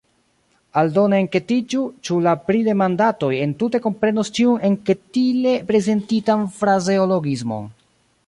Aldone enketiĝu, ĉu la pridemandatoj entute komprenos ĉiun enketile prezentitan frazeologismon.